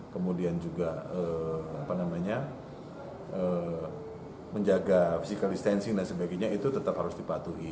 kemudian juga menjaga physical distancing dan sebagainya itu tetap harus dipatuhi